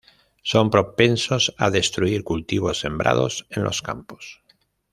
Son propensos a destruir cultivos sembrados en los campos.